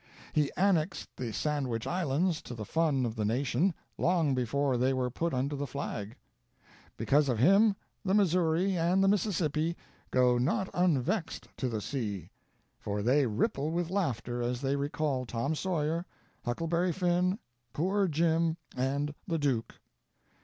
He annexed the Sandwich Islands to the fun of the Nation long before they were put under the flag. Because of him the Missouri and Mississippi go not unvexed to the sea, for they ripple with laughter as they recall Tom Sawyer, Huckleberry Finn, poor Jim, and the Duke.